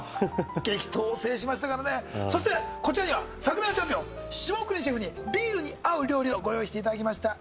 激闘を制しましたからねそしてこちらには昨年のチャンピオン下國シェフにビールに合う料理をご用意していただきました